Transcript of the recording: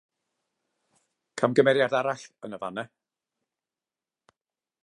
Camgymeriad arall yn y fan yna.